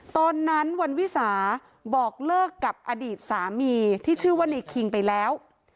ตอนนั้นวันวิสาบอกเลิกกับอดีตสามีที่ชื่อว่าในคิงไปแล้ว